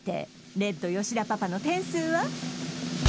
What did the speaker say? レッド吉田パパの点数は？